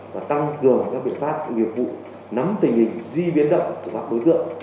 và tăng cường các biện pháp nghiệp vụ nắm tình hình di biến động của các đối tượng